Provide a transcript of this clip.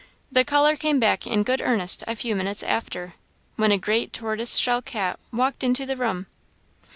The colour came back in good earnest a few minutes after, when a great tortoise shell cat walked into the room.